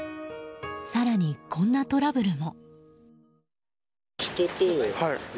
更に、こんなトラブルも。